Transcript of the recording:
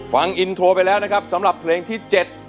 ฟังอินโทรไปแล้วนะครับสำหรับเพลงที่๗